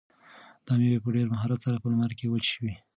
دا مېوې په ډېر مهارت سره په لمر کې وچې شوي.